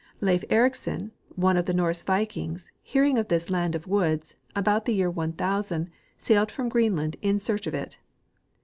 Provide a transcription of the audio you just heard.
Leif Ericsson, one of the Norse Adkings, hearing of this land of woods, about the year 1000 sailed from Greenland in search of it.